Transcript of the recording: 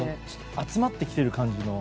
集まってきてる感じの。